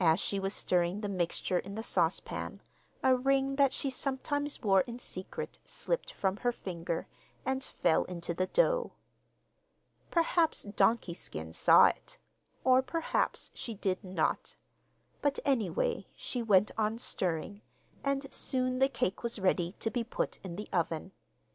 As she was stirring the mixture in the saucepan a ring that she sometimes wore in secret slipped from her finger and fell into the dough. Perhaps 'Donkey Skin' saw it, or perhaps she did not; but, any way, she went on stirring, and soon the cake was ready to be put in the oven.